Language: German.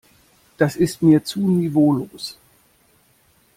Das ist mir zu niveaulos.